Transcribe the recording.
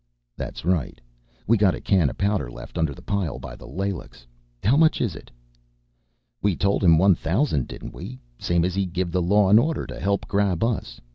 "That's right. We got a can o' powder left under the pile by the laylocks. How much is it?" "We tol' him one thousand, didn't we? Same as he give the Law and Order to help grab us.